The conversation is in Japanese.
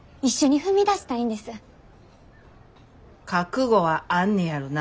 覚悟はあんねやろな。